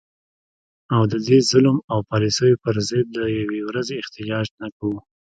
او د دې ظلم او پالیسو په ضد د یوې ورځي احتجاج نه کوو